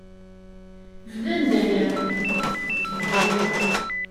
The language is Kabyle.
Bdan-d aya.